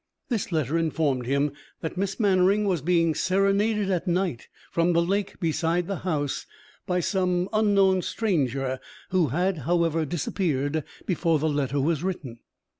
This letter informed him that Miss Mannering was being serenaded at night from the lake beside the house by some unknown stranger, who had, however, disappeared before the letter was written.